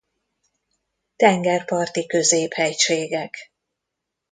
Tengerparti középhegységek.